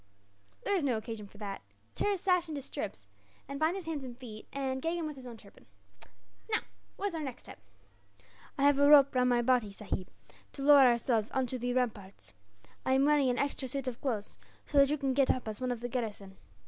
"There is no occasion for that. Tear his sash into strips, and bind his hands and feet; and gag him with his own turban. "Now, what is our next step?" "I have a rope round my body, sahib, to lower ourselves on to the ramparts. I am wearing an extra suit of clothes, so that you can get up as one of the garrison.